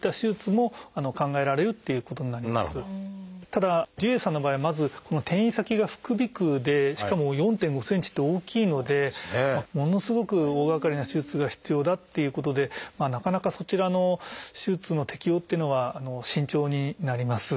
ただ氏家さんの場合はまずこの転移先が副鼻腔でしかも４．５ｃｍって大きいのでものすごく大がかりな手術が必要だっていうことでなかなかそちらの手術の適応というのは慎重になります。